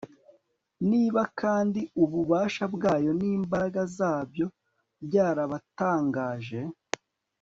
niba kandi ububasha bwabyo n'imbaraga zabyo byarabatangaje